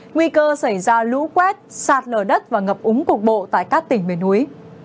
nguy cơ xảy ra lũ quét sạt lở đất và ngập úng cục bộ tại các tỉnh miền núi